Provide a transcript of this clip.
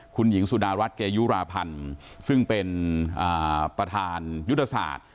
คุณหญิงสุดารัฐเกยุราพันธ์ซึ่งเป็นประธานยุทธศาสตร์